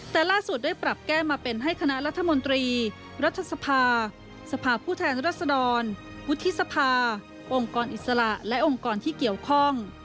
แต่ล่าสุดได้ปรับแก้มาเป็นให้คณะรัฐมนตรีรัฐสภาสภาพผู้แทนรัศดรวุฒิสภาองค์กรอิสระและองค์กรที่เกี่ยวข้อง